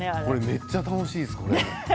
めっちゃ楽しいです、これ。